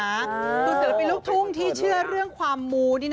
ตัวเศรษฐเรียกลูกธุ้งที่เชื่อเรื่องความรู้